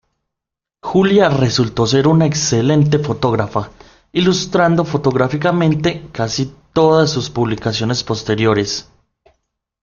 Julia resultó ser una excelente fotógrafa, ilustrando fotográficamente casi todas sus publicaciones posteriores.